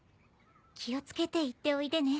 気を付けて行っておいでね